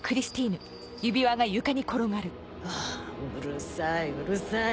あぁうるさいうるさい。